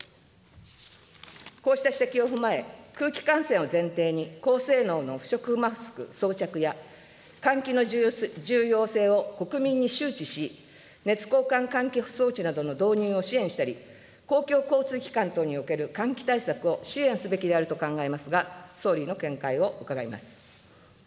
こうした指摘を踏まえ、空気感染を前提に高性能の不織布マスク装着や、換気の重要性を国民に周知し、熱交換換気装置などの導入を支援したり、公共交通機関等における換気対策を支援すべきであると考えますが、総理の見解を伺います。